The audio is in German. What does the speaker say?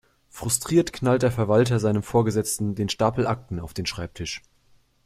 Frustriert knallt der Verwalter seinem Vorgesetzten den Stapel Akten auf den Schreibtisch.